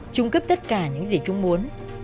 chúng cướp tất cả những gì chúng muốn